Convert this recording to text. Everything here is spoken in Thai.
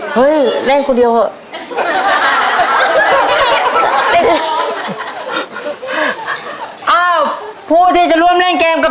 เฮ้ยเล่นคนเดียวเถอะ